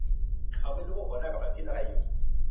เขาไม่รู้ว่าหัวหน้ากำลังคิดอะไรอยู่